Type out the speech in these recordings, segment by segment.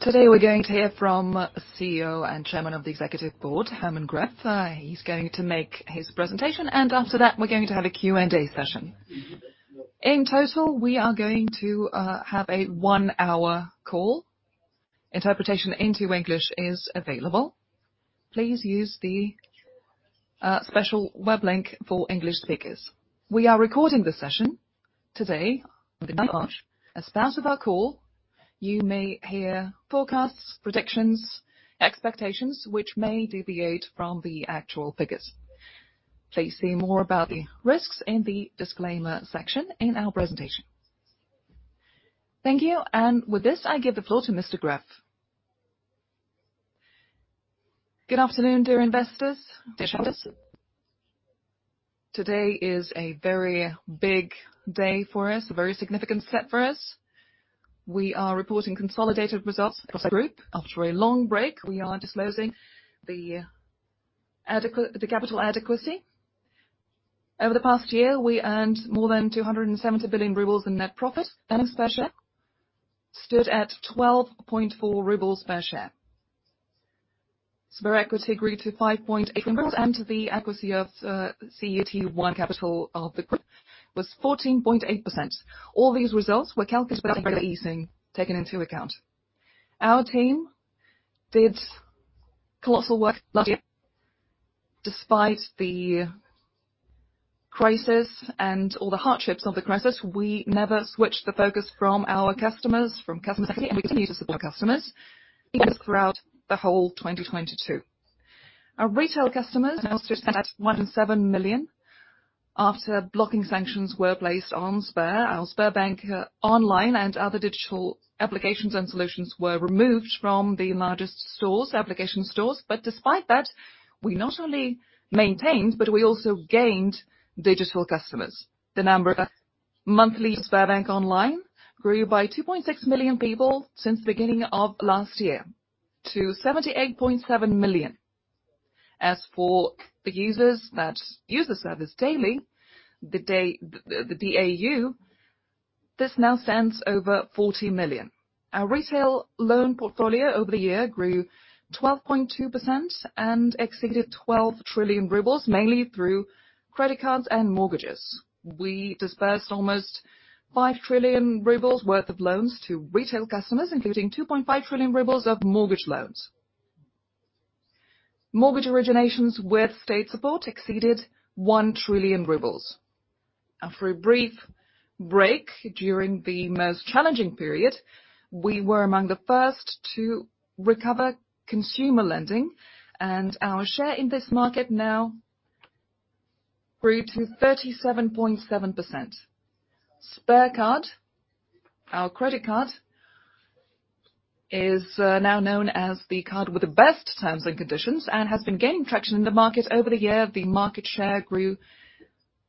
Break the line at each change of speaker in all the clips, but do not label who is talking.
Today we're going to hear from CEO and Chairman of the Executive Board, German Gref. He's going to make his presentation, and after that, we're going to have a Q&A session. In total, we are going to have a one-hour call. Interpretation into English is available. Please use the special web link for English speakers. We are recording this session today, on March. As part of our call, you may hear forecasts, predictions, expectations, which may deviate from the actual figures. Please see more about the risks in the disclaimer section in our presentation. Thank you. With this, I give the floor to Mr. Gref.
Good afternoon, dear investors, dear shareholders. Today is a very big day for us, a very significant step for us. We are reporting consolidated results across the group. After a long break, we are disclosing the capital adequacy. Over the past year, we earned more than 270 billion rubles in net profit, and the share stood at 12.4 rubles per share. Sber equity grew to 5.8%, and the equity of CET1 capital of the group was 14.8%. All these results were calculated without the regulation taken into account. Our team did colossal work last year. Despite the crisis and all the hardships of the crisis, we never switched the focus from our customers, from customer safety, and we continue to support customers even throughout the whole 2022. Our retail customers now stand at 17 million. After blocking sanctions were placed on Sber, our SberBank Online and other digital applications and solutions were removed from the largest stores, application stores. Despite that, we not only maintained, but we also gained digital customers. The number of monthly SberBank Online grew by 2.6 million people since the beginning of last year to 78.7 million. As for the users that use the service daily, the DAU, this now stands over 40 million. Our retail loan portfolio over the year grew 12.2% and exceeded 12 trillion rubles, mainly through credit cards and mortgages. We disbursed almost 5 trillion rubles worth of loans to retail customers, including 2.5 trillion rubles of mortgage loans. Mortgage originations with state support exceeded 1 trillion rubles. After a brief break during the most challenging period, we were among the first to recover consumer lending, our share in this market now grew to 37.7%. SberCard, our credit card, is now known as the card with the best terms and conditions and has been gaining traction in the market. Over the year, the market share grew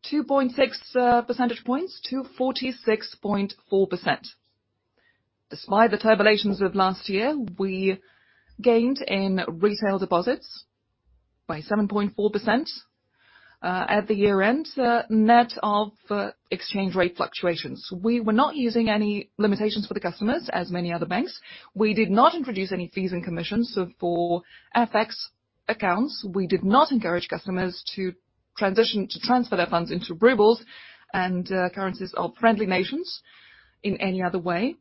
2.6 percentage points to 46.4%. Despite the turbulences of last year, we gained in retail deposits by 7.4% at the year-end, net of exchange rate fluctuations. We were not using any limitations for the customers, as many other banks. We did not introduce any fees and commissions for FX accounts. We did not encourage customers to transfer their funds into rubles and currencies of friendly nations in any other way.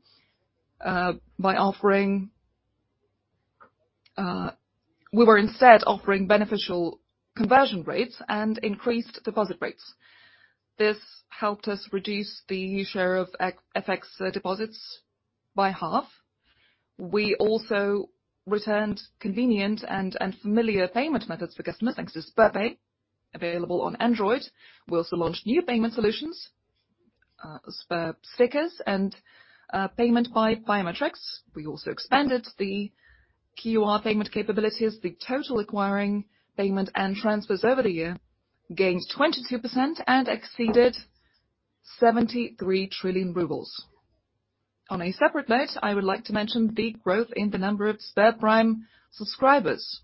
We were instead offering beneficial conversion rates and increased deposit rates. This helped us reduce the share of FX deposits by half. We also returned convenient and familiar payment methods for customers, thanks to SberPay, available on Android. We also launched new payment solutions, Sber stickers and payment by biometrics. We also expanded the QR payment capabilities. The total acquiring payment and transfers over the year gained 22% and exceeded 73 trillion rubles. On a separate note, I would like to mention the growth in the number of SberPrime subscribers.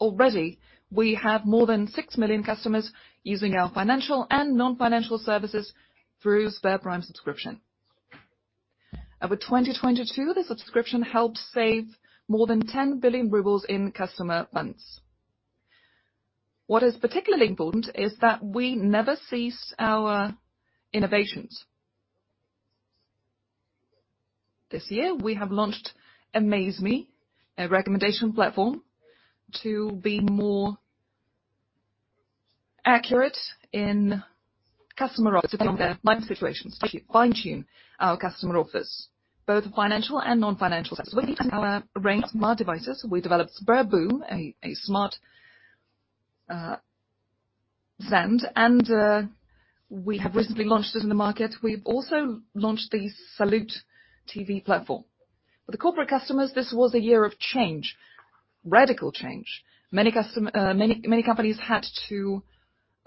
Already, we have more than 6 million customers using our financial and non-financial services through SberPrime subscription. Over 2022, the subscription helped save more than 10 billion rubles in customer funds. What is particularly important is that we never ceased our innovations. This year, we have launched AmazeMe, a recommendation platform, to be more accurate to take their life situations, to fine-tune our customer offers, both financial and non-financial services. Our range of smart devices. We developed SberBoom, a smart send, and we have recently launched it in the market. We've also launched the Salute TV platform. For the corporate customers, this was a year of change, radical change. Many companies had to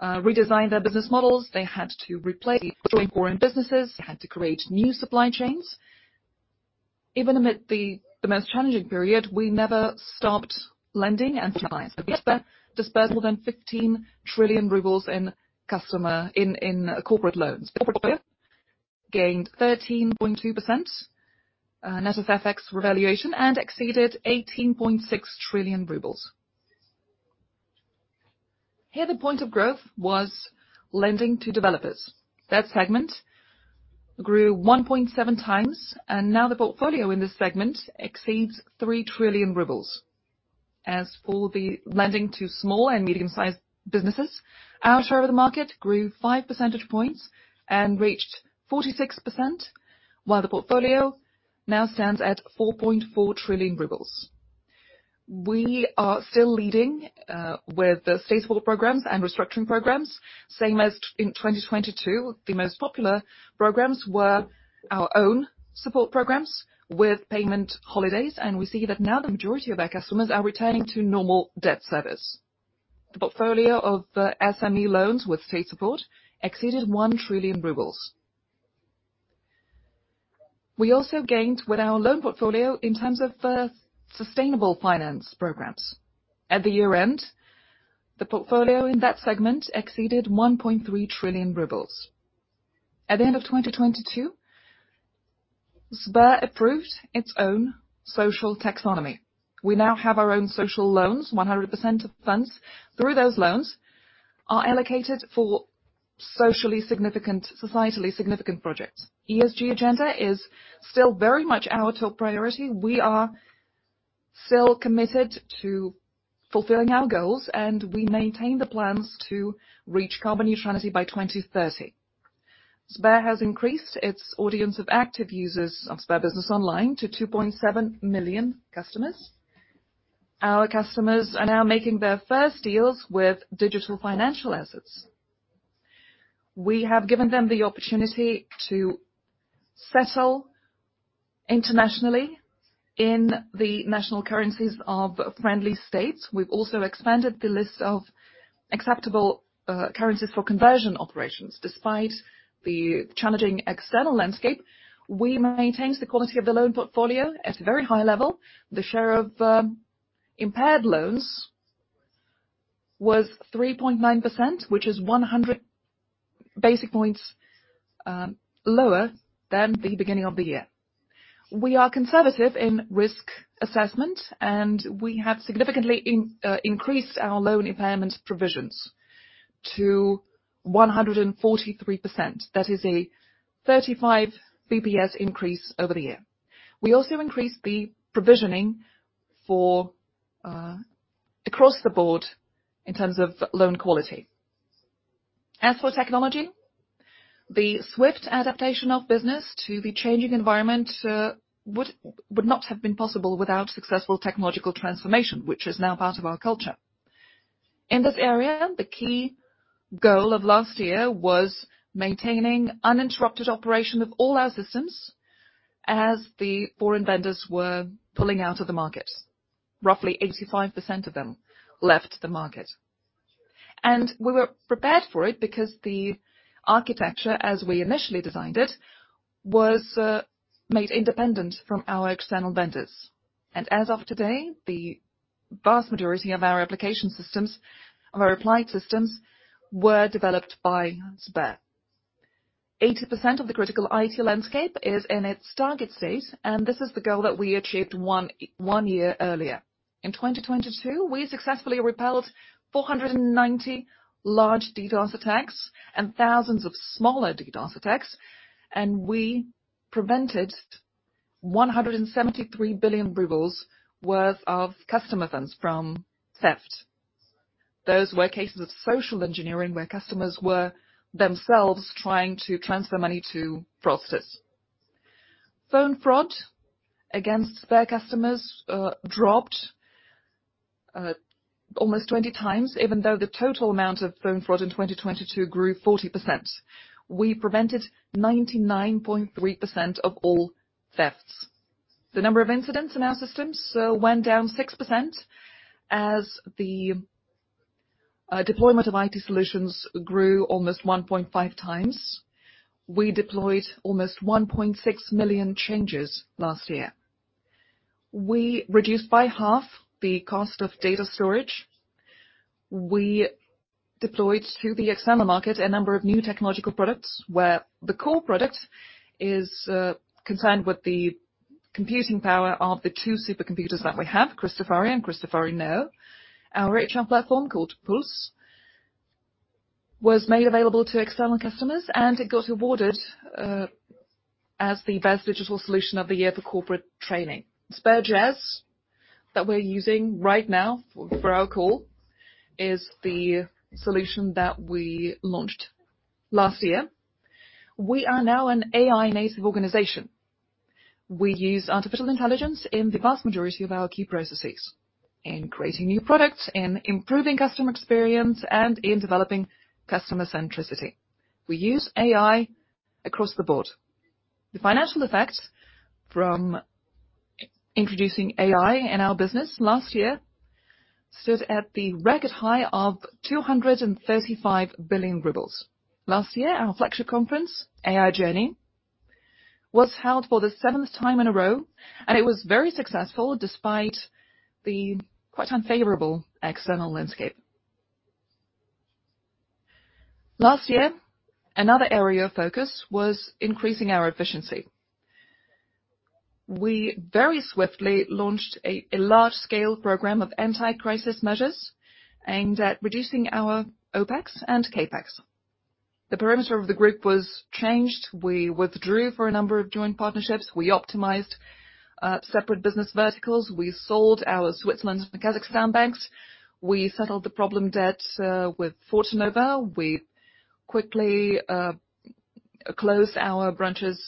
redesign their business models. They had to replace foreign businesses. They had to create new supply chains. Even amid the most challenging period, we never stopped lending and gained 13.2% net of FX revaluation and exceeded 18.6 trillion rubles. Here the point of growth was lending to developers. That segment grew 1.7x, and now the portfolio in this segment exceeds 3 trillion rubles. As for the lending to small and medium-sized businesses, our share of the market grew 5 percentage points and reached 46%, while the portfolio now stands at 4.4 trillion rubles. We are still leading with the state support programs and restructuring programs. Same as in 2022, the most popular programs were our own support programs with payment holidays. We see that now the majority of our customers are returning to normal debt service. The portfolio of SME loans with state support exceeded 1 trillion rubles. We also gained with our loan portfolio in terms of sustainable finance programs. At the year-end, the portfolio in that segment exceeded 1.3 trillion rubles. At the end of 2022, Sber approved its own social taxonomy. We now have our own social loans. 100% of funds through those loans are allocated for socially significant, societally significant projects. ESG agenda is still very much our top priority. We are still committed to fulfilling our goals, and we maintain the plans to reach carbon neutrality by 2030. Sber has increased its audience of active users on SberBusiness Online to 2.7 million customers. Our customers are now making their first deals with digital financial assets. We have given them the opportunity to settle internationally in the national currencies of friendly states. We've also expanded the list of acceptable currencies for conversion operations. Despite the challenging external landscape, we maintained the quality of the loan portfolio at a very high level. The share of impaired loans was 3.9%, which is 100 basic points lower than the beginning of the year. We are conservative in risk assessment, and we have significantly in increased our loan impairment provisions to 143%. That is a 35 basis points increase over the year. We also increased the provisioning for across the board in terms of loan quality. As for technology, the swift adaptation of business to the changing environment would not have been possible without successful technological transformation, which is now part of our culture. In this area, the key goal of last year was maintaining uninterrupted operation of all our systems as the foreign vendors were pulling out of the market. Roughly 85% of them left the market. We were prepared for it because the architecture, as we initially designed it, was made independent from our external vendors. As of today, the vast majority of our application systems, of our applied systems, were developed by Sber. 80% of the critical IT landscape is in its target state, and this is the goal that we achieved one year earlier. In 2022, we successfully repelled 490 large DDoS attacks and thousands of smaller DDoS attacks, and we prevented 173 billion rubles worth of customer funds from theft. Those were cases of social engineering where customers were themselves trying to transfer money to fraudsters. Phone fraud against Sber customers dropped almost 20 times, even though the total amount of phone fraud in 2022 grew 40%. We prevented 99.3% of all thefts. The number of incidents in our systems went down 6% as the deployment of IT solutions grew almost 1.5x. We deployed almost 1.6 million changes last year. We reduced by half the cost of data storage. We deployed through the external market a number of new technological products, where the core product is concerned with the computing power of the two supercomputers that we have, Christofari and Christofari Neo. Our HR platform, called Pulse, was made available to external customers, and it got awarded as the best digital solution of the year for corporate training. SberJazz, that we're using right now for our call, is the solution that we launched last year. We are now an AI-native organization. We use artificial intelligence in the vast majority of our key processes, in creating new products, in improving customer experience, and in developing customer centricity. We use AI across the board. The financial effect from introducing AI in our business last year stood at the record high of 235 billion rubles. Last year, our flagship conference, AI Journey, was held for the seventh time in a row, and it was very successful despite the quite unfavorable external landscape. Last year, another area of focus was increasing our efficiency. We very swiftly launched a large scale program of anti-crisis measures aimed at reducing our OpEx and CapEx. The parameter of the group was changed. We withdrew for a number of joint partnerships. We optimized separate business verticals. We sold our Switzerland and Kazakhstan banks. We settled the problem debt with Fortenova. We quickly closed our branches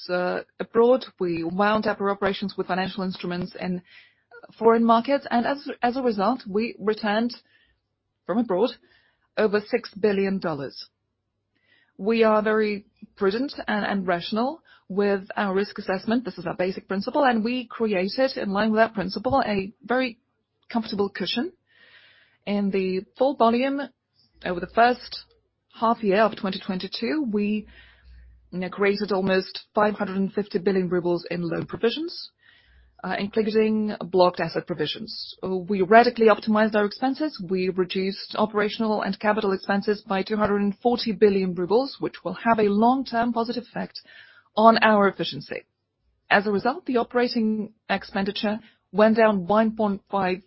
abroad. We wound up our operations with financial instruments in foreign markets. As a result, we returned from abroad over $6 billion. We are very prudent and rational with our risk assessment. This is our basic principle. We created, in line with that principle, a very comfortable cushion. In the full volume over the first half-year of 2022, we, you know, created almost 550 billion rubles in loan provisions, including blocked asset provisions. We radically optimized our expenses. We reduced operational and capital expenses by 240 billion rubles, which will have a long-term positive effect on our efficiency. As a result, the operating expenditure went down 1.5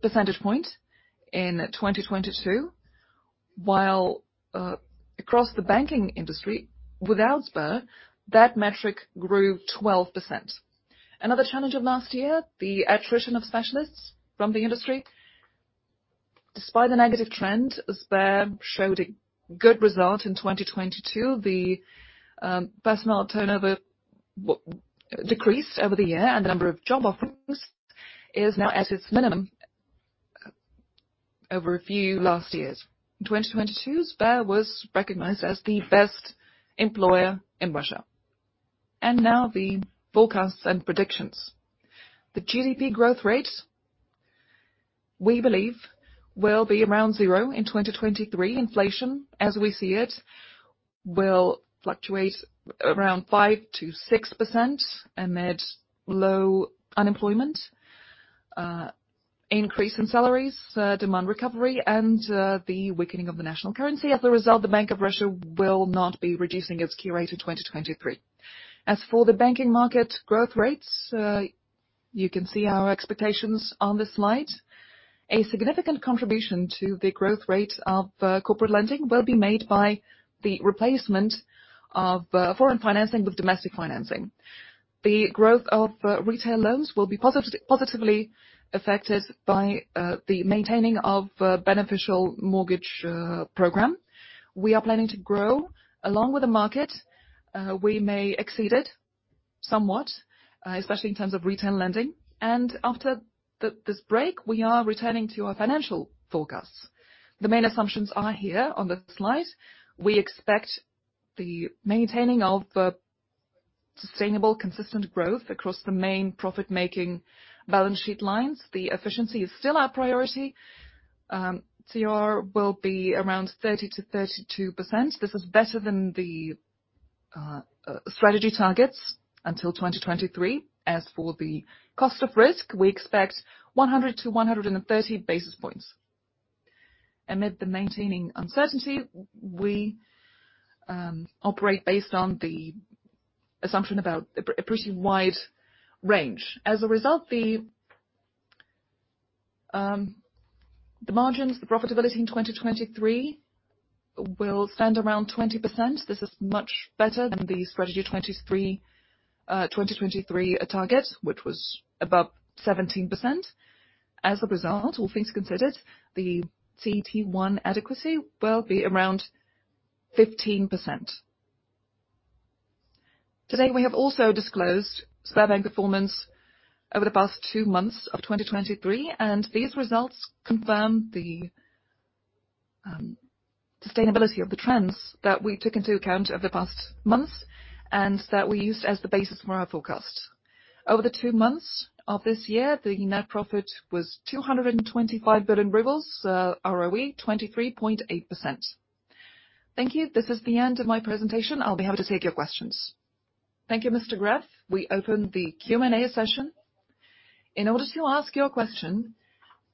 percentage point in 2022, while across the banking industry, without Sber, that metric grew 12%. Another challenge of last year, the attrition of specialists from the industry. Despite the negative trend, Sber showed a good result in 2022. The personnel turnover decreased over the year and the number of job offerings is now at its minimum over a few last years. In 2022, Sber was recognized as the best employer in Russia. Now the forecasts and predictions. The GDP growth rate, we believe, will be around zero in 2023. Inflation, as we see it, will fluctuate around 5%-6% amid low unemployment, increase in salaries, demand recovery and the weakening of the national currency. As a result, the Bank of Russia will not be reducing its key rate in 2023. As for the banking market growth rates, you can see our expectations on this slide. A significant contribution to the growth rate of corporate lending will be made by the replacement of foreign financing with domestic financing. The growth of retail loans will be positively affected by the maintaining of beneficial mortgage program. We are planning to grow along with the market. We may exceed it somewhat, especially in terms of retail lending. After this break, we are returning to our financial forecasts. The main assumptions are here on this slide. We expect the maintaining of sustainable, consistent growth across the main profit making balance sheet lines. The efficiency is still our priority. CR will be around 30%-32%. This is better than the strategy targets until 2023. As for the cost of risk, we expect 100 basis points- 130 basis points. Amid the maintaining uncertainty, we operate based on the assumption about a pretty wide range. As a result, the margins, the profitability in 2023 will stand around 20%. This is much better than the strategy 2023 target, which was above 17%. As a result, all things considered, the CET1 adequacy will be around 15%. Today, we have also disclosed Sberbank performance over the past two months of 2023, these results confirm the sustainability of the trends that we took into account over the past months and that we used as the basis for our forecast. Over the two months of this year, the net profit was 225 billion rubles, ROE 23.8%. Thank you. This is the end of my presentation. I'll be happy to take your questions.
Thank you, Mr. Gref. We open the Q&A session. In order to ask your question,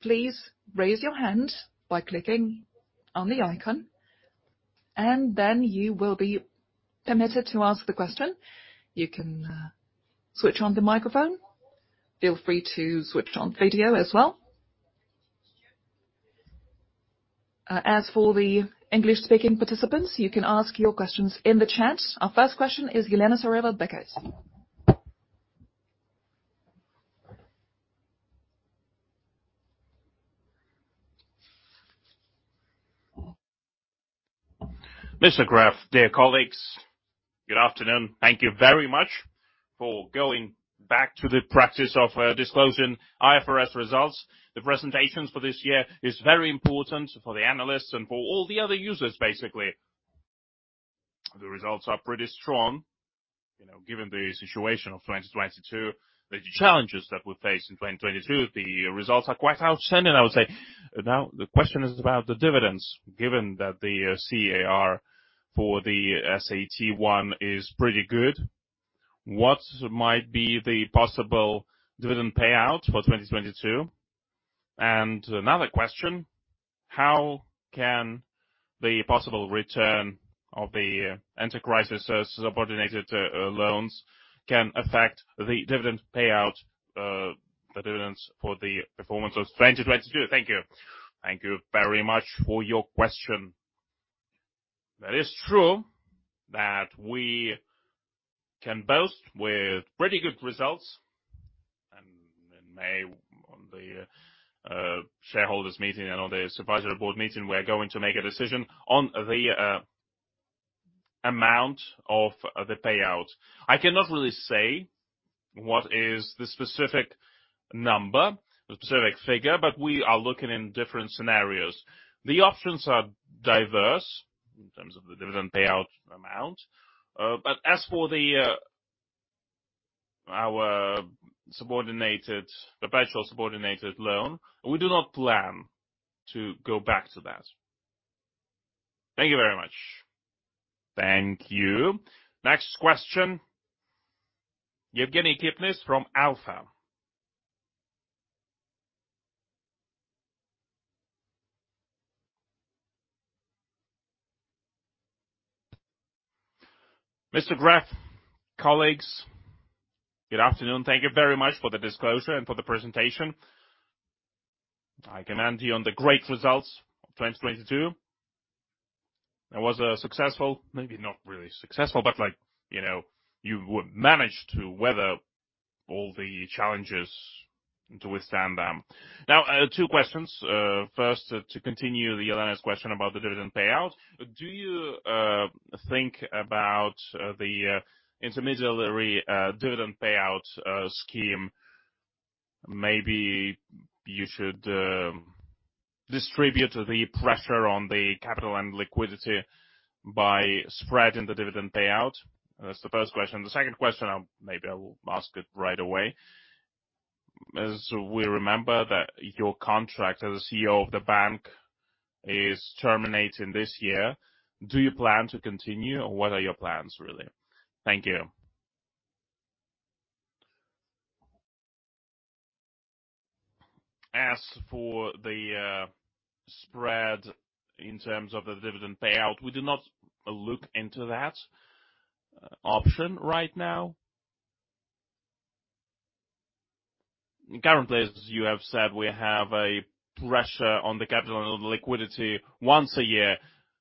please raise your hand by clicking on the icon, and then you will be permitted to ask the question. You can switch on the microphone. Feel free to switch on video as well. As for the English-speaking participants, you can ask your questions in the chat. Our first question is Elena Tsareva, BCS.
Mr. Gref, dear colleagues, good afternoon. Thank you very much for going back to the practice of disclosing IFRS results. The presentations for this year is very important for the analysts and for all the other users, basically. The results are pretty strong, you know, given the situation of 2022, the challenges that we face in 2022, the results are quite outstanding, I would say. The question is about the dividends, given that the CAR for the AT1 is pretty good, what might be the possible dividend payout for 2022? Another question, how can the possible return of the enterprises subordinated loans can affect the dividend payout, the dividends for the performance of 2022? Thank you.
Thank you very much for your question. That is true that we can boast with pretty good results. In May, on the shareholders meeting and on the Supervisory Board meeting, we are going to make a decision on the amount of the payout. I cannot really say what is the specific number, specific figure, but we are looking in different scenarios. The options are diverse in terms of the dividend payout amount. As for the our subordinated, the Basel subordinated loan, we do not plan to go back to that.
Thank you very much.
Thank you.
Next question, Evgeniy Kipnis from Alfa-Bank.
Mr. Gref, colleagues, good afternoon. Thank you very much for the disclosure and for the presentation. I commend you on the great results of 2022. That was successful. Maybe not really successful, but like, you know, you managed to weather all the challenges to withstand them. Now, two questions. First, to continue Elena's question about the dividend payout. Do you think about the intermediary dividend payout scheme? Maybe you should distribute the pressure on the capital and liquidity by spreading the dividend payout. That's the first question. The second question, maybe I will ask it right away. We remember that your contract as CEO of the bank is terminating this year, do you plan to continue, or what are your plans, really? Thank you.
For the spread in terms of the dividend payout, we do not look into that option right now. Currently, as you have said, we have a pressure on the capital and on the liquidity once a year.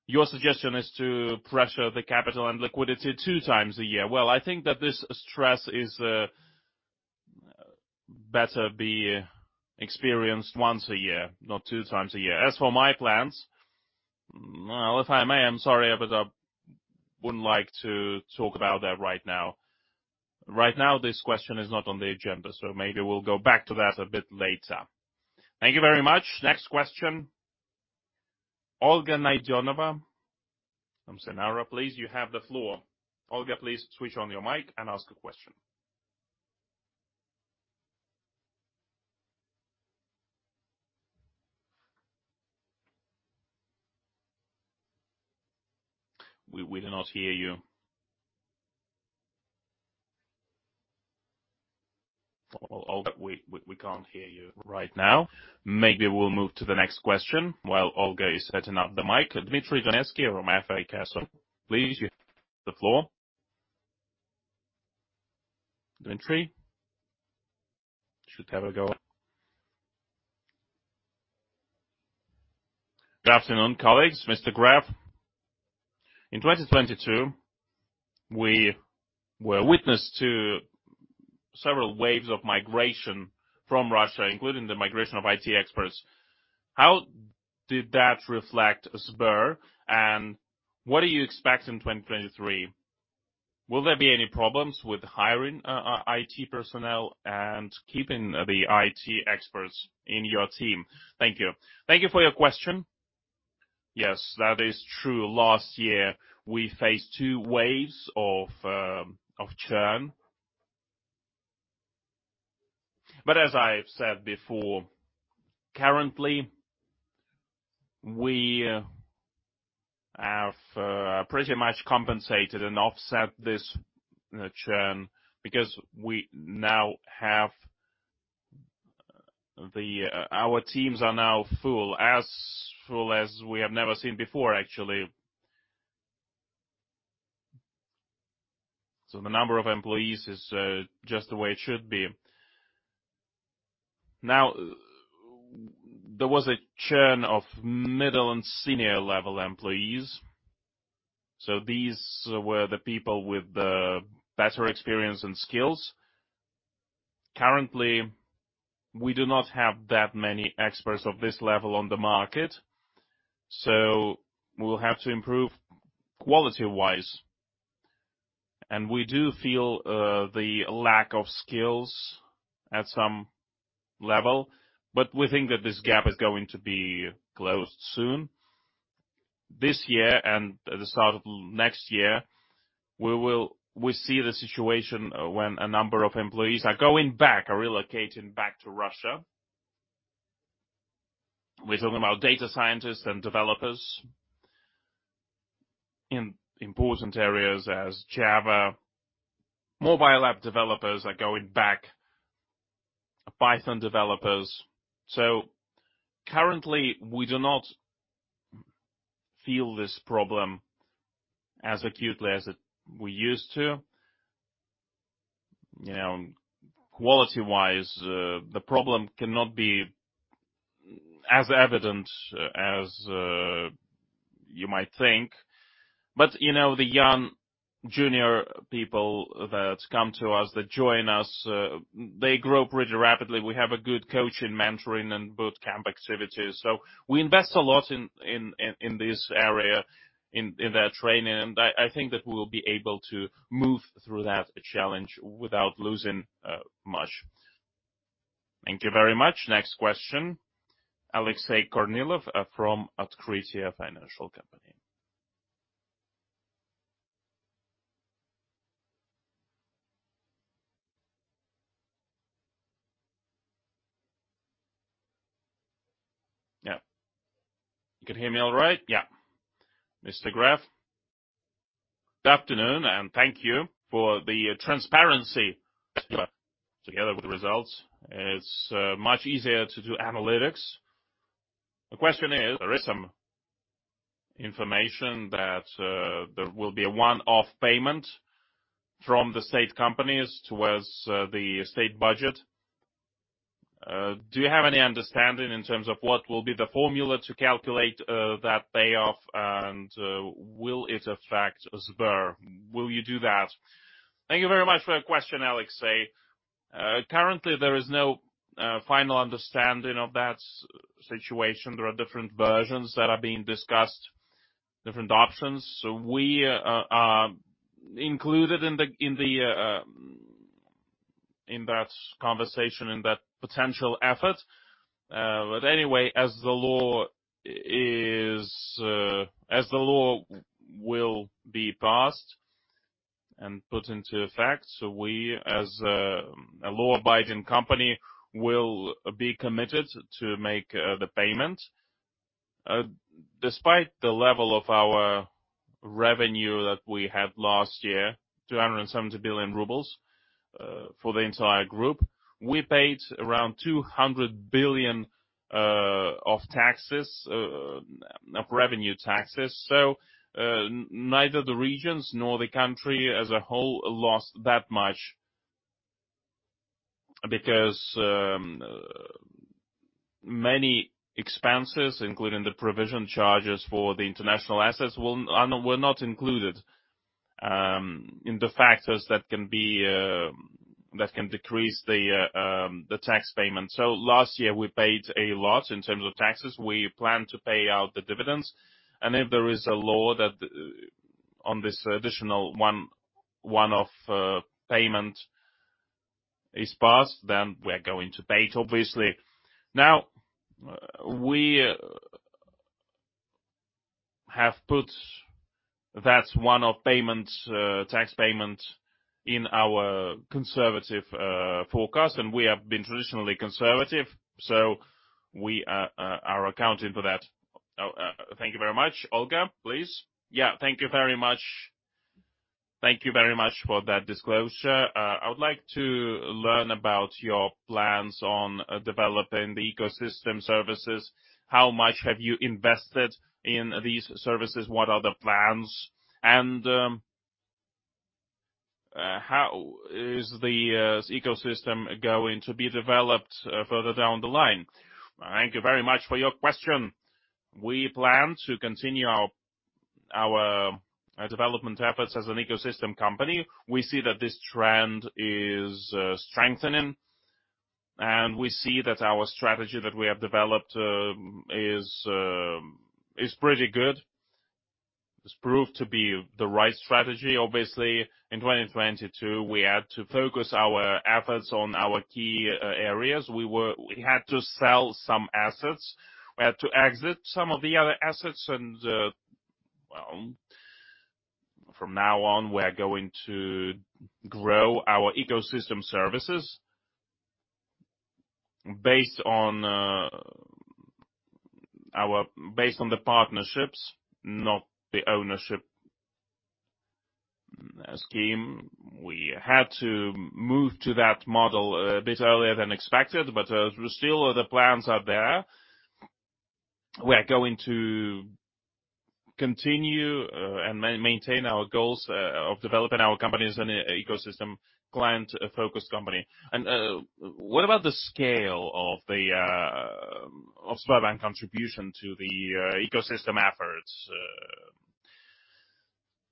Your suggestion is to pressure the capital and liquidity two times a year. Well, I think that this stress is better be experienced once a year, not two times a year. As for my plans, well, if I may, I'm sorry, I wouldn't like to talk about that right now. Right now, this question is not on the agenda, maybe we'll go back to that a bit later.
Thank you very much.
Next question. Olga Naidenova from Sinara. Please, you have the floor. Olga, please switch on your mic and ask a question. We do not hear you. Olga, we can't hear you right now. Maybe we'll move to the next question while Olga is setting up the mic. from. Please, you have the floor. Dmitry? You should have a go.
Good afternoon, colleagues. Mr. Gref. In 2022, we were witness to several waves of migration from Russia, including the migration of IT experts. How did that reflect Sber, and what do you expect in 2023? Will there be any problems with hiring IT personnel and keeping the IT experts in your team?
Thank you for your question. Yes, that is true. Last year, we faced two waves of churn. As I've said before, currently, we have pretty much compensated and offset this churn because we now have Our teams are now full, as full as we have never seen before, actually. So the number of employees is just the way it should be. There was a churn of middle and senior level employees, so these were the people with the better experience and skills. Currently, we do not have that many experts of this level on the market, so we'll have to improve quality-wise. And we do feel the lack of skills at some level, but we think that this gap is going to be closed soon. This year and at the start of next year, we see the situation when a number of employees are going back, are relocating back to Russia. We're talking about data scientists and developers in important areas as Java. Mobile app developers are going back, Python developers. Currently, we do not feel this problem as acutely as we used to. You know, quality-wise, the problem cannot be as evident as you might think. You know, the young junior people that come to us, that join us, they grow pretty rapidly. We have a good coaching, mentoring, and boot camp activities. We invest a lot in this area, in their training. I think that we will be able to move through that challenge without losing much.
Thank you very much. Next question, Alexey Shiryaev from Otkritie Financial Company. Yeah.
You can hear me all right? Yeah. Mr. Gref, good afternoon, and thank you for the transparency together with the results. It's much easier to do analytics. The question is, there is some information that there will be a one-off payment from the state companies towards the state budget. Do you have any understanding in terms of what will be the formula to calculate that payoff, and will it affect Sber? Will you do that?
Thank you very much for your question, Alexey. Currently, there is no final understanding of that situation. There are different versions that are being discussed, different options. We are included in that conversation, in that potential effort. Anyway, as the law will be passed and put into effect, we, as a law-abiding company, will be committed to make the payment. Despite the level of our revenue that we had last year, 270 billion rubles for the entire group, we paid around 200 billion of taxes of revenue taxes. Neither the regions nor the country as a whole lost that much because many expenses, including the provision charges for the international assets, were not included in the factors that can be that can decrease the tax payment. Last year, we paid a lot in terms of taxes. We plan to pay out the dividends. If there is a law that on this additional one-off payment is passed, then we're going to pay it, obviously. We have put that one-off payment, tax payment in our conservative forecast, and we have been traditionally conservative, so we are accounting for that.
Thank you very much. Olga, please.
Thank you very much. Thank you very much for that disclosure. I would like to learn about your plans on developing the ecosystem services. How much have you invested in these services? What are the plans? How is the ecosystem going to be developed further down the line?
Thank you very much for your question. We plan to continue our development efforts as an ecosystem company. We see that this trend is strengthening, and we see that our strategy that we have developed, is pretty good. It's proved to be the right strategy. Obviously, in 2022, we had to focus our efforts on our key areas. We had to sell some assets. We had to exit some of the other assets. Well, from now on, we are going to grow our ecosystem services based on the partnerships, not the ownership scheme. We had to move to that model a bit earlier than expected, but still the plans are there. We are going to continue and maintain our goals of developing our company as an ecosystem client-focused company. What about the scale of the of Sberbank contribution to the ecosystem efforts?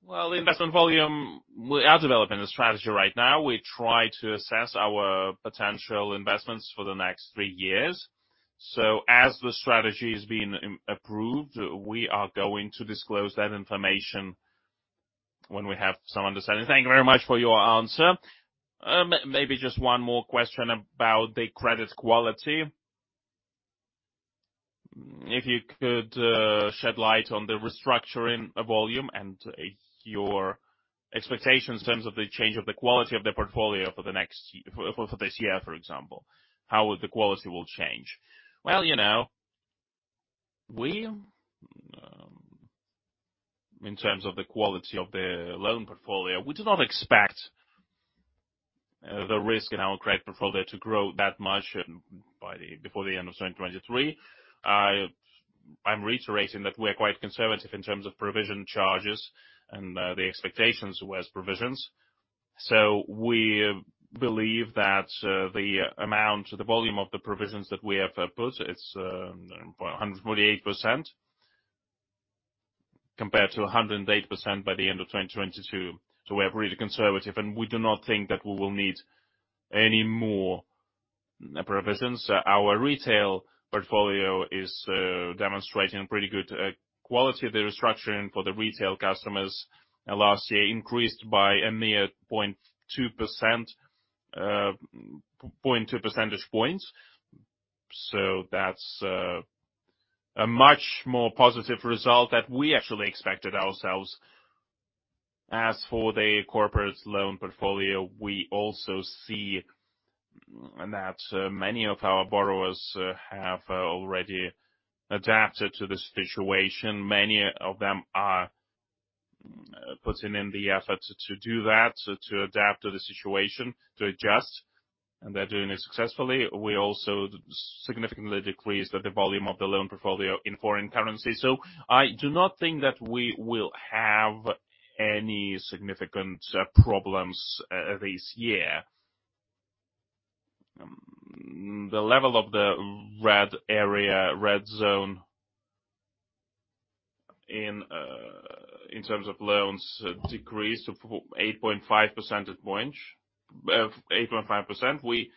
Well, investment volume, we are developing a strategy right now. We try to assess our potential investments for the next three years. As the strategy is being approved, we are going to disclose that information when we have some understanding.
Thank you very much for your answer. maybe just one more question about the credit quality. If you could shed light on the restructuring of volume and your expectations in terms of the change of the quality of the portfolio for this year, for example, how will the quality change?
You know, we, in terms of the quality of the loan portfolio, we do not expect the risk in our credit portfolio to grow that much before the end of 2023. I'm reiterating that we're quite conservative in terms of provision charges and the expectations with provisions. We believe that the amount, the volume of the provisions that we have put, it's 0.148% compared to 108% by the end of 2022. We are really conservative, and we do not think that we will need any more provisions. Our retail portfolio is demonstrating pretty good quality. The restructuring for the retail customers last year increased by a mere 0.2%, 0.2 percentage points. That's a much more positive result that we actually expected ourselves. As for the corporate loan portfolio, we also see that many of our borrowers have already adapted to the situation. Many of them are putting in the effort to do that, to adapt to the situation, to adjust, and they're doing it successfully. We also significantly decreased the volume of the loan portfolio in foreign currency. I do not think that we will have any significant problems this year. The level of the red area, red zone in terms of loans decreased 8.5%. We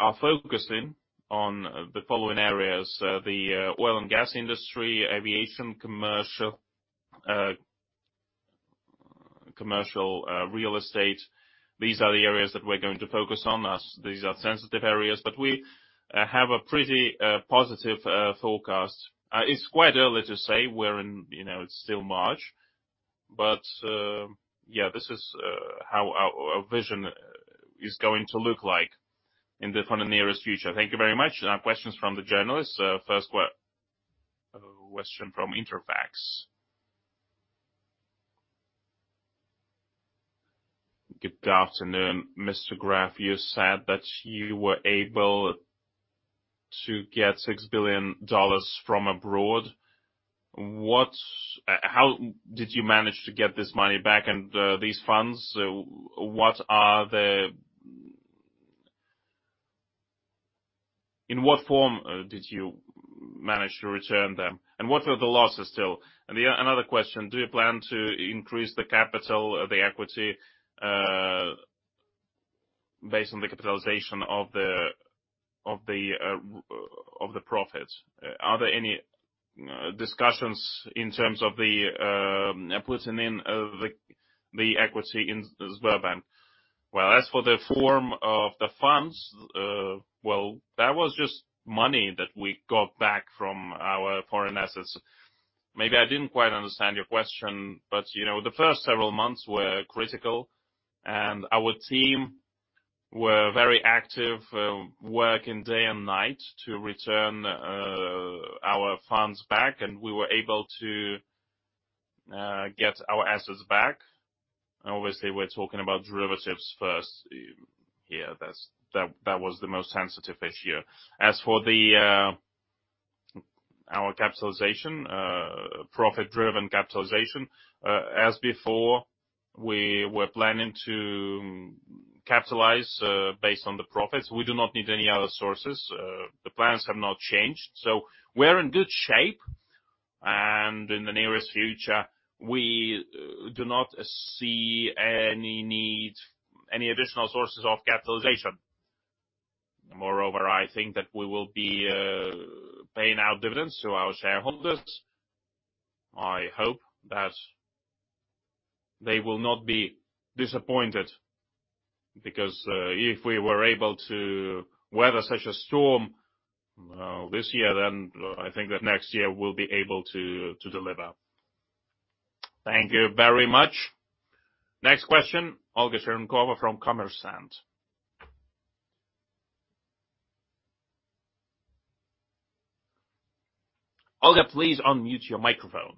are focusing on the following areas: the oil and gas industry, aviation, commercial real estate. These are the areas that we're going to focus on, as these are sensitive areas. We have a pretty positive forecast. It's quite early to say. You know, it's still March. Yeah, this is how our vision is going to look like for the nearest future.
Thank you very much. Now, questions from the journalists. First question from Interfax.
Good afternoon, Mr. Gref. You said that you were able to get $6 billion from abroad. How did you manage to get this money back and these funds? In what form did you manage to return them? What are the losses still? Yeah, another question: Do you plan to increase the capital, the equity, based on the capitalization of the profit? Are there any discussions in terms of the putting in the equity in Sberbank?
Well, as for the form of the funds, well, that was just money that we got back from our foreign assets. Maybe I didn't quite understand your question, but, you know, the first several months were critical, and our team were very active, working day and night to return our funds back, and we were able to get our assets back. Obviously, we're talking about derivatives first here. That was the most sensitive issue. As for the our capitalization, profit-driven capitalization, as before, we were planning to capitalize based on the profits. We do not need any other sources. The plans have not changed. We're in good shape, and in the nearest future, we do not see any need, any additional sources of capitalization. Moreover, I think that we will be paying out dividends to our shareholders. I hope that they will not be disappointed because, if we were able to weather such a storm this year, then I think that next year we'll be able to deliver.
Thank you very much. Next question,. Olga, please unmute your microphone.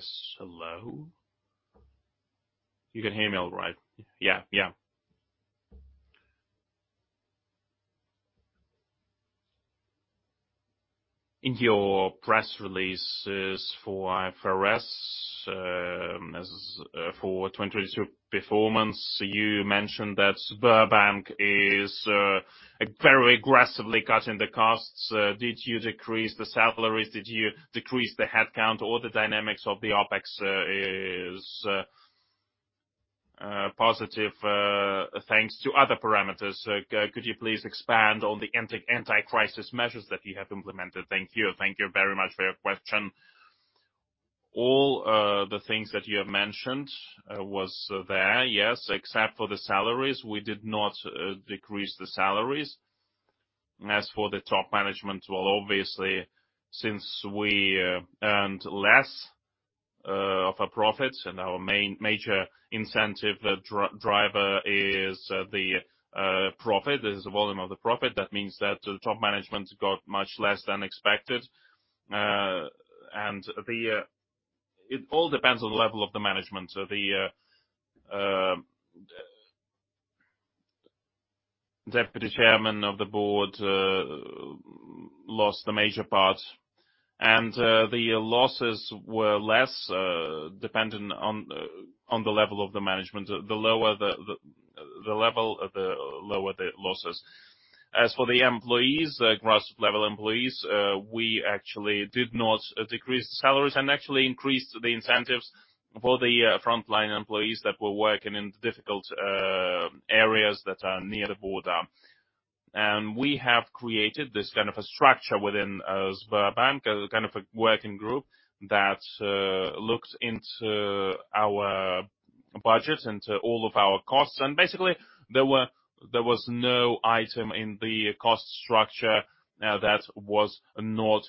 Yes, hello? You can hear me all right? Yeah. In your press releases for IFRS, For 22 performance, you mentioned that Sberbank is very aggressively cutting the costs. Did you decrease the salaries? Did you decrease the headcount or the dynamics of the OpEx is positive thanks to other parameters? Could you please expand on the anti-crisis measures that you have implemented? Thank you.
Thank you very much for your question. All the things that you have mentioned was there, yes, except for the salaries. We did not decrease the salaries. As for the top management, well, obviously, since we earned less of our profits and our main major incentive driver is the profit, is the volume of the profit, that means that the top management got much less than expected. It all depends on the level of the management. The deputy chairman of the board lost a major part, and the losses were less dependent on the level of the management. The lower the level, the lower the losses. As for the employees, grass level employees, we actually did not decrease the salaries and actually increased the incentives for the frontline employees that were working in difficult areas that are near the border. We have created this kind of a structure within Sberbank, kind of a working group that looks into our budget and to all of our costs. Basically, there was no item in the cost structure that was not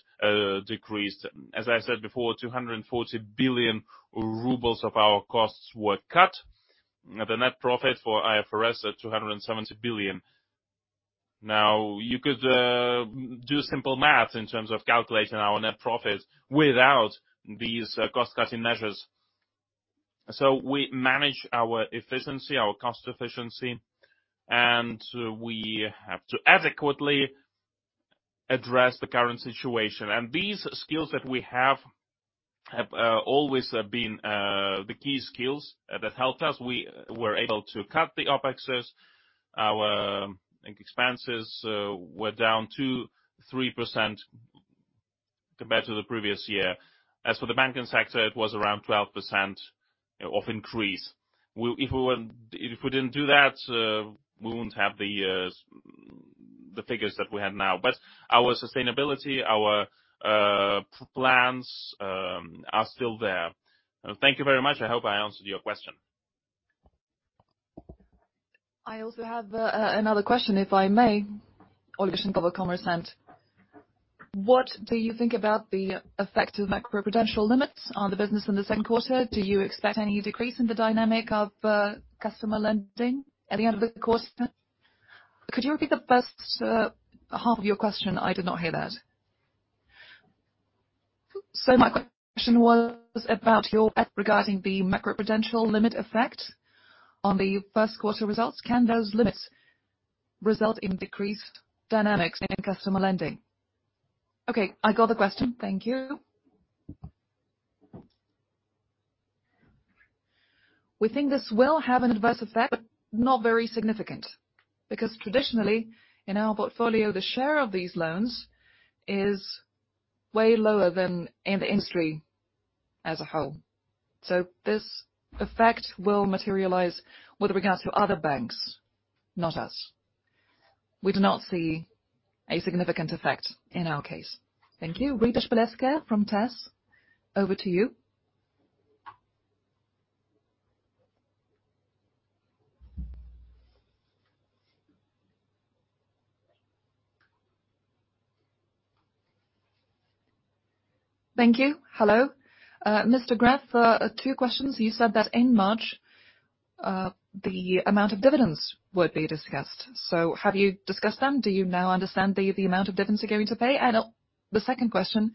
decreased. As I said before, 240 billion rubles of our costs were cut. The net profit for IFRS are 270 billion. You could do simple math in terms of calculating our net profit without these cost-cutting measures. We manage our efficiency, our cost efficiency, and we have to adequately address the current situation. These skills that we have have always been the key skills that helped us. We were able to cut the OpEx. Our expenses were down 2%-3% compared to the previous year. As for the banking sector, it was around 12% of increase. Well, if we didn't do that, we wouldn't have the figures that we have now. Our sustainability, our plans are still there. Thank you very much. I hope I answered your question.
I also have another question, if I may. Olga Shinkova, Kommersant. What do you think about the effect of macroprudential limits on the business in the second quarter? Do you expect any decrease in the dynamic of customer lending at the end of the quarter?
Could you repeat the first half of your question? I did not hear that.
My question was about your regarding the macroprudential limit effect on the first quarter results. Can those limits result in decreased dynamics in customer lending?
Okay, I got the question. Thank you. We think this will have an adverse effect, but not very significant, because traditionally, in our portfolio, the share of these loans is way lower than in the industry as a whole. This effect will materialize with regards to other banks, not us. We do not see a significant effect in our case.
Thank you. Rita Stankevičiūtė from TASS, over to you.
Thank you. Hello. Mr. Gref, two questions. You said that in March, the amount of dividends would be discussed. Have you discussed them? Do you now understand the amount of dividends you're going to pay? The second question,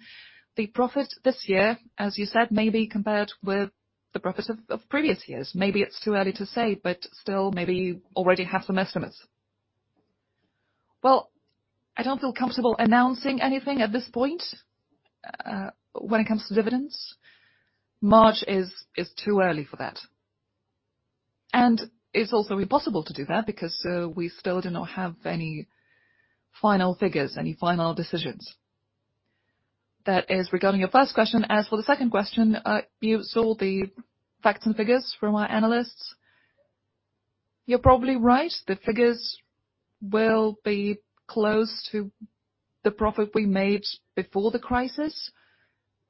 the profit this year, as you said, may be compared with the profit of previous years. Maybe it's too early to say, but still maybe you already have some estimates.
Well, I don't feel comfortable announcing anything at this point, when it comes to dividends. March is too early for that. It's also impossible to do that because, we still do not have any final figures, any final decisions. That is regarding your first question. As for the second question, you saw the facts and figures from our analysts. You're probably right, the figures will be close to the profit we made before the crisis.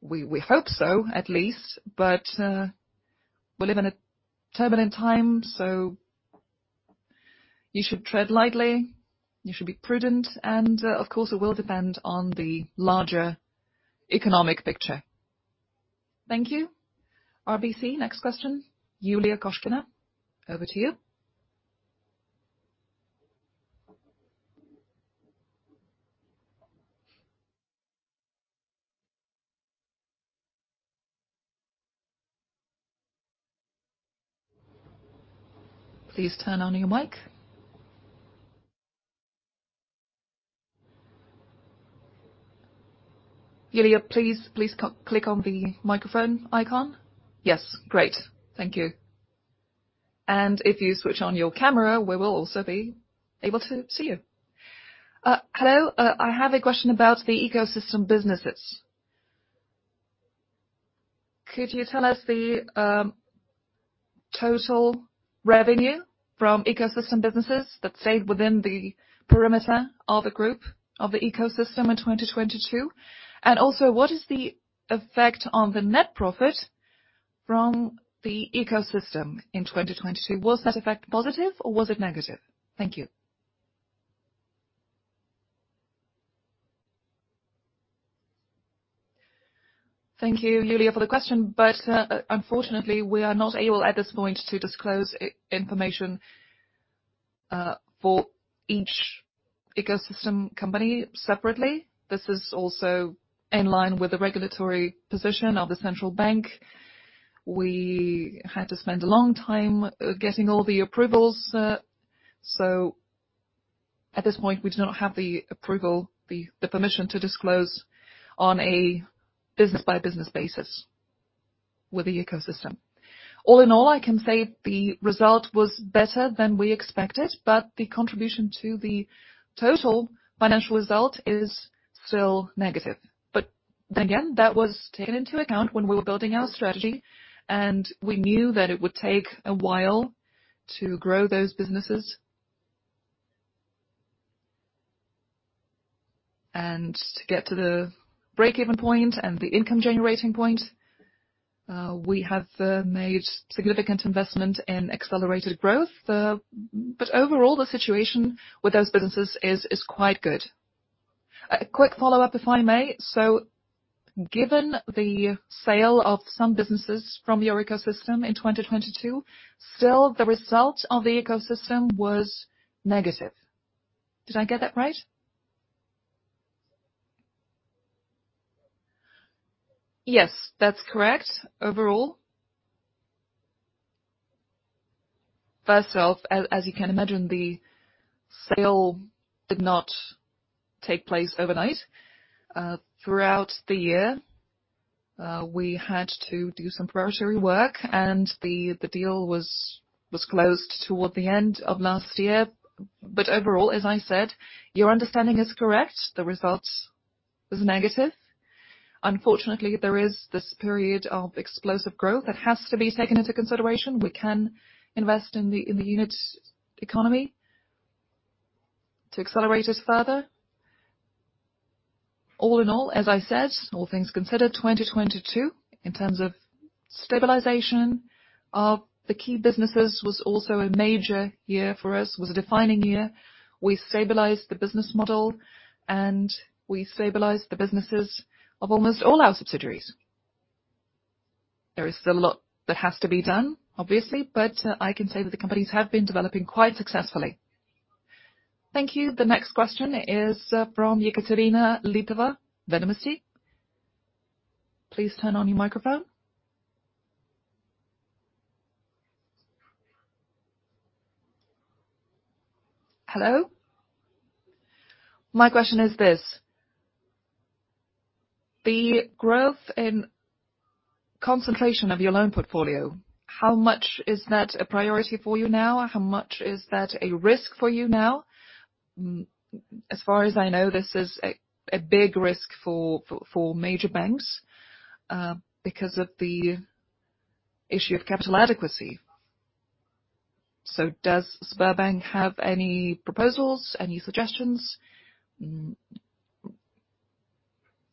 We hope so, at least. We live in a turbulent time, so you should tread lightly, you should be prudent, and of course, it will depend on the larger economic picture.
Thank you. RBC, next question. Yuliia Kovalska, over to you. Please turn on your mic. Yuliia, please click on the microphone icon.
Yes. Great. Thank you. If you switch on your camera, we will also be able to see you. Hello, I have a question about the ecosystem businesses. Could you tell us the total revenue from ecosystem businesses that stayed within the perimeter of the group of the ecosystem in 2022? Also, what is the effect on the net profit from the ecosystem in 2022? Was that effect positive or was it negative? Thank you.
Thank you, Yuliia, for the question, unfortunately, we are not able, at this point, to disclose information for each ecosystem company separately. This is also in line with the regulatory position of the Bank of Russia. We had to spend a long time getting all the approvals. At this point, we do not have the approval, the permission to disclose on a business-by-business basis with the ecosystem. All in all, I can say the result was better than we expected. The contribution to the total financial result is still negative. Again, that was taken into account when we were building our strategy, and we knew that it would take a while to grow those businesses. To get to the break-even point and the income-generating point, we have made significant investment in accelerated growth. Overall, the situation with those businesses is quite good.
A quick follow-up, if I may. Given the sale of some businesses from your ecosystem in 2022, still, the result of the ecosystem was negative. Did I get that right?
Yes, that's correct. Overall. First off, as you can imagine, the sale did not take place overnight. Throughout the year, we had to do some preparatory work, and the deal was closed toward the end of last year. Overall, as I said, your understanding is correct. The result is negative. Unfortunately, there is this period of explosive growth that has to be taken into consideration. We can invest in the unit economics to accelerate it further. All in all, as I said, all things considered, 2022, in terms of stabilization of the key businesses, was also a major year for us, was a defining year. We stabilized the business model. We stabilized the businesses of almost all our subsidiaries. There is still a lot that has to be done, obviously, I can say that the companies have been developing quite successfully.
Thank you. The next question is from Ekaterina Litova, Vedomosti. Please turn on your microphone.
Hello. My question is this: The growth in concentration of your loan portfolio, how much is that a priority for you now? How much is that a risk for you now? As far as I know, this is a big risk for major banks because of the issue of capital adequacy. Does Sberbank have any proposals, any suggestions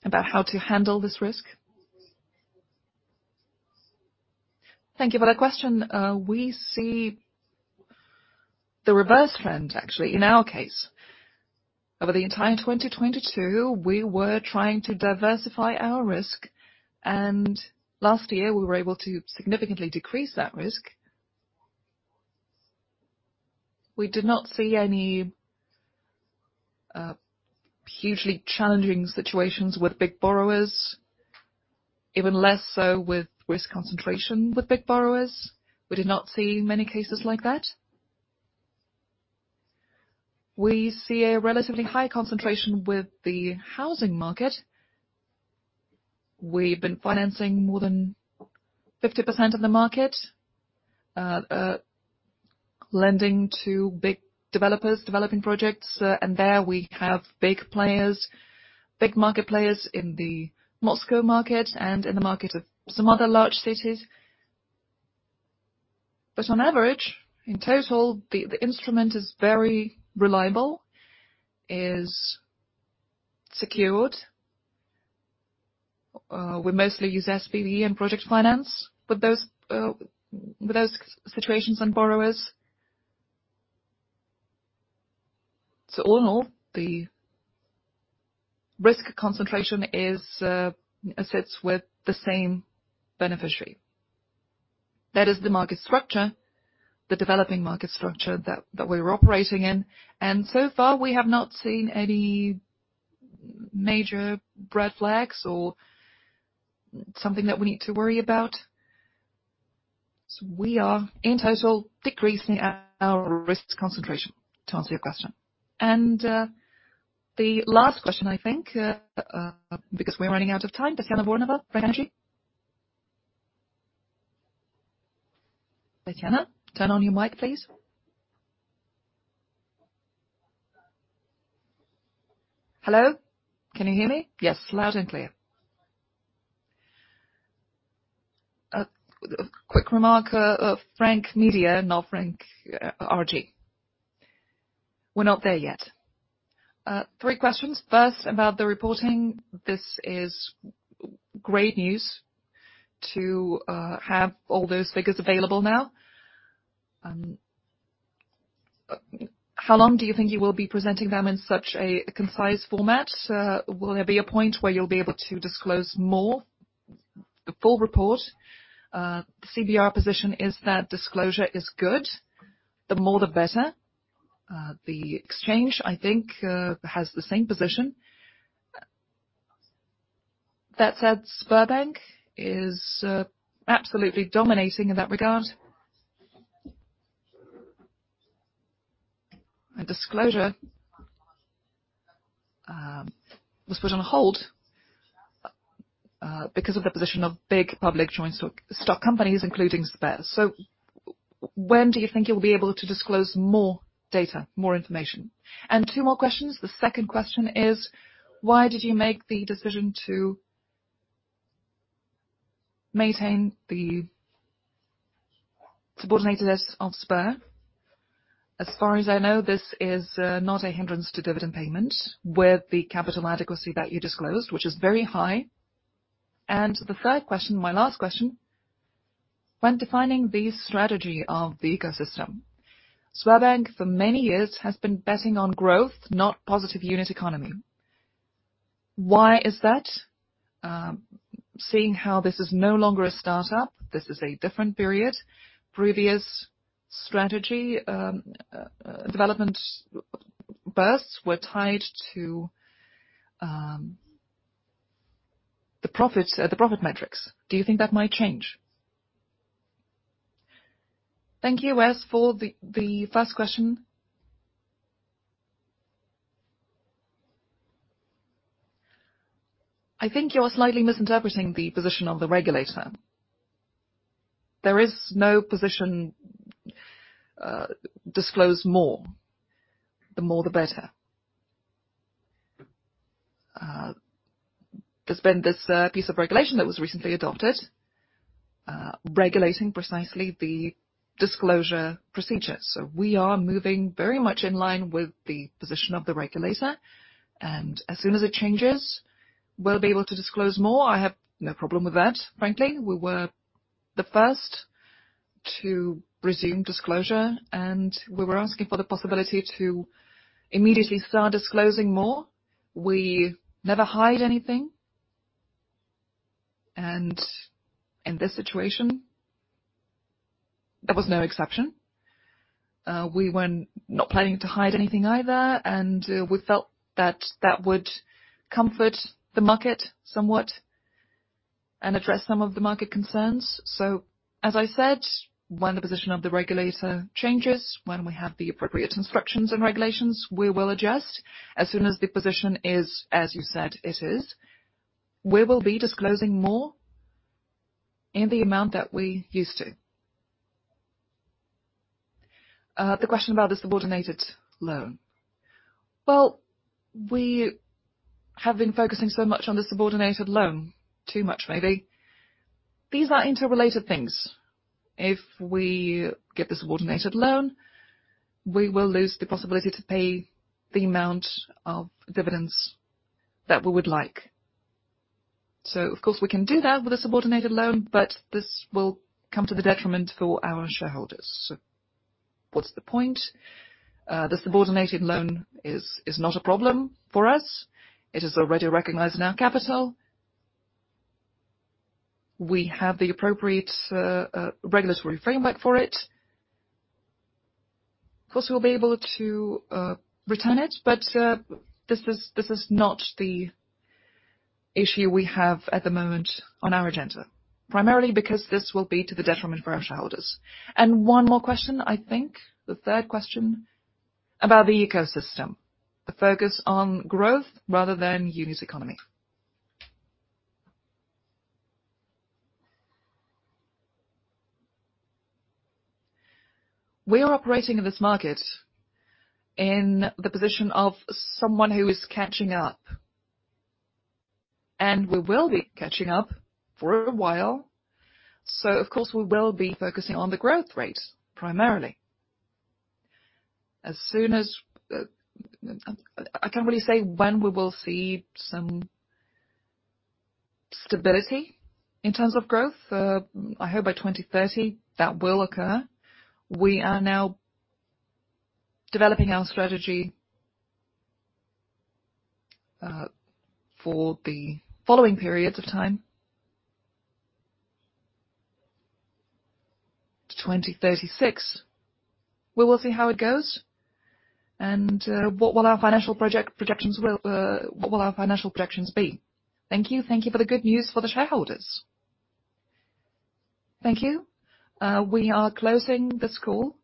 about how to handle this risk?
Thank you for that question. We see the reverse trend actually in our case. Over the entire 2022, we were trying to diversify our risk, last year, we were able to significantly decrease that risk. We did not see any hugely challenging situations with big borrowers, even less so with risk concentration with big borrowers. We did not see many cases like that. We see a relatively high concentration with the housing market. We've been financing more than 50% of the market, lending to big developers, developing projects. There we have big players, big market players in the Moscow market and in the market of some other large cities. On average, in total, the instrument is very reliable, is secured. We mostly use SPV and project finance with those with those situations and borrowers. All in all, the risk concentration is sits with the same beneficiary. That is the market structure, the developing market structure that we're operating in. So far, we have not seen any major red flags or something that we need to worry about. We are in total decreasing our risk concentration, to answer your question.
The last question I think, because we're running out of time. Tatiana Voronova, Frank RG. Tatiana, turn on your mic, please.
Hello? Can you hear me? Yes, loud and clear. A quick remark. Frank Media, not Frank RG. We're not there yet. Three questions. First, about the reporting. This is great news to have all those figures available now. How long do you think you will be presenting them in such a concise format? Will there be a point where you'll be able to disclose more? The full report, the CBR position is that disclosure is good, the more the better. The exchange, I think, has the same position. That said, Sberbank is absolutely dominating in that regard. A disclosure was put on hold because of the position of big public joint stock companies, including Sber. When do you think you'll be able to disclose more data, more information? Two more questions. The second question is, why did you make the decision to maintain the subordinated list of Sber? As far as I know, this is not a hindrance to dividend payment with the capital adequacy that you disclosed, which is very high. The third question, my last question. When defining the strategy of the ecosystem, Sberbank, for many years, has been betting on growth, not positive unit economics. Why is that? Seeing how this is no longer a start-up, this is a different period. Previous strategy, development bursts were tied to the profits, the profit metrics. Do you think that might change?
Thank you. As for the first question. I think you are slightly misinterpreting the position of the regulator. There is no position, disclose more, the more the better. There's been this piece of regulation that was recently adopted, regulating precisely the disclosure procedure. We are moving very much in line with the position of the regulator, and as soon as it changes, we'll be able to disclose more. I have no problem with that, frankly. We were the first to resume disclosure, and we were asking for the possibility to immediately start disclosing more. We never hide anything. In this situation, there was no exception. We were not planning to hide anything either, we felt that that would comfort the market somewhat and address some of the market concerns. As I said, when the position of the regulator changes, when we have the appropriate instructions and regulations, we will adjust. As soon as the position is, as you said it is, we will be disclosing more in the amount that we used to. The question about the subordinated loan. Well, we have been focusing so much on the subordinated loan, too much maybe. These are interrelated things. If we get the subordinated loan, we will lose the possibility to pay the amount of dividends that we would like. Of course, we can do that with a subordinated loan, but this will come to the detriment for our shareholders. What's the point? The subordinated loan is not a problem for us. It is already recognized in our capital. We have the appropriate regulatory framework for it. Of course, we'll be able to return it, this is not the issue we have at the moment on our agenda, primarily because this will be to the detriment for our shareholders. One more question, I think. The third question about the ecosystem, the focus on growth rather than unit economics. We are operating in this market in the position of someone who is catching up, we will be catching up for a while. Of course, we will be focusing on the growth rate primarily. As soon as, I can't really say when we will see some stability in terms of growth. I hope by 2030 that will occur. We are now developing our strategy for the following periods of time. To 2036. We will see how it goes. What will our financial projections be? Thank you. Thank you for the good news for the shareholders.
Thank you. We are closing this call.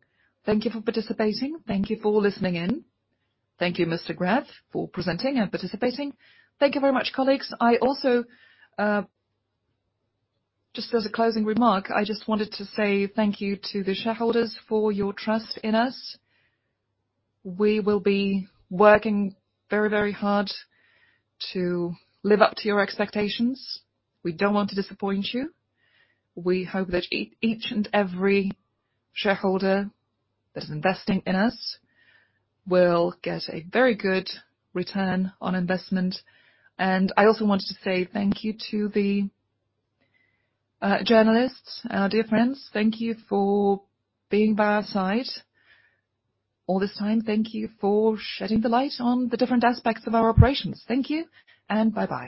Thank you for participating. Thank you for listening in. Thank you, Mr. Gref, for presenting and participating.
Thank you very much, colleagues. I also, just as a closing remark, I just wanted to say thank you to the shareholders for your trust in us. We will be working very hard to live up to your expectations. We don't want to disappoint you. We hope that each and every shareholder that is investing in us will get a very good return on investment. I also wanted to say thank you to the journalists, our dear friends. Thank you for being by our side all this time. Thank you for shedding the light on the different aspects of our operations. Thank you and bye-bye.